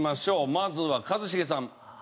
まずは一茂さん。